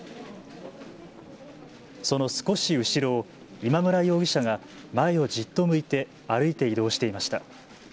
その少し後ろを今村容疑者が前をじっと向いて歩いて移動していました。